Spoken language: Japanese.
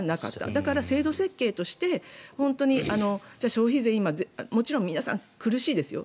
だから制度設計として消費税がもちろん皆さん苦しいですよ。